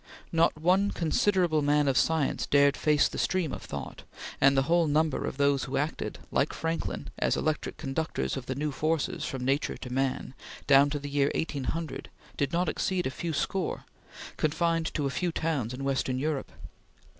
Not one considerable man of science dared face the stream of thought; and the whole number of those who acted, like Franklin, as electric conductors of the new forces from nature to man, down to the year 1800, did not exceed a few score, confined to a few towns in western Europe.